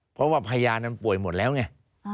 เพราะว่าพยานนั้นป่วยหมดแล้วไง